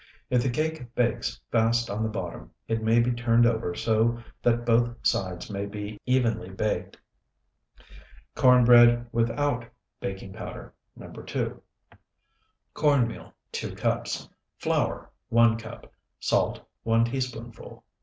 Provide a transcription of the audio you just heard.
If the cake bakes fast on the bottom, it may be turned over so that both sides may be evenly baked. CORN BREAD WITHOUT BAKING POWDER NO. 2 Corn meal, 2 cups. Flour, 1 cup. Salt, 1 teaspoonful.